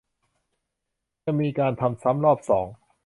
จะมีการทำซ้ำรอบสอง